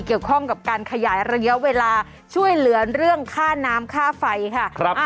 เกี่ยวข้องกับการขยายระยะเวลาช่วยเหลือเรื่องค่าน้ำค่าไฟค่ะ